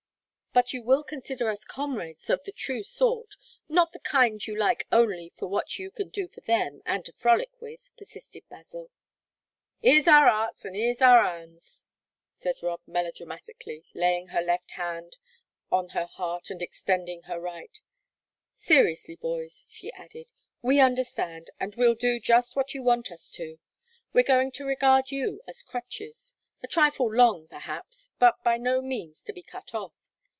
"But you will consider us comrades of the true sort; not the kind you like only for what you can do for them and to frolic with," persisted Basil. "'Ere's our 'earts and 'ere's our 'ands," said Rob, melodramatically laying her left hand on her heart and extending her right. "Seriously, boys," she added, "we understand, and we'll do just what you want us to. We're going to regard you as crutches a trifle long, perhaps, but by no means to be cut off.